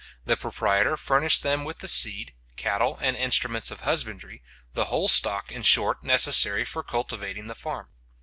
The proprietor furnished them with the seed, cattle, and instruments of husbandry, the whole stock, in short, necessary for cultivating the farm.